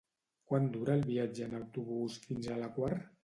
Quant dura el viatge en autobús fins a la Quar?